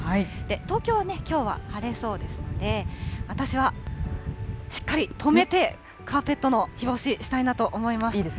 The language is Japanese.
東京はきょうは晴れそうですので、私はしっかり留めて、カーペットの日干ししたいなと思います。